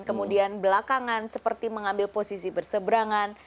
kemudian belakangan seperti mengambil posisi berseberangan